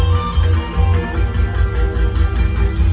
มันเป็นเมื่อไหร่แล้ว